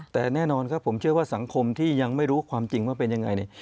แต่แน่นอนครับผมเชื่อว่าสังคมที่ยังไม่รู้ความจริงว่าเป็นยังไงเนี่ย